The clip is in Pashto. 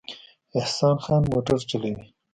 احسان خان موټر چلوي